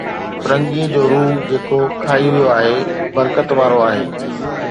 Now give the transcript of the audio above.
فرنگي جو روح جيڪو کائي ويو آهي، برڪت وارو آهي